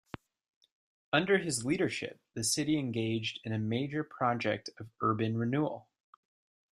Under his leadership, the city engaged in a major project of urban renewal.